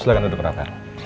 silahkan duduk raffer